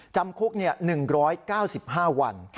จำคุก๑๙๕วัน